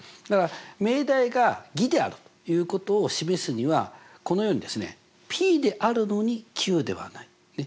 だから命題が偽であるということを示すにはこのようにですね「ｐであるのにｑではない」。